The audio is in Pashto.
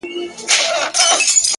نه هغه ژوند راپاته دی نه هاغسې سازونه!!